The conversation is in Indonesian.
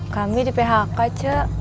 kami di phk ce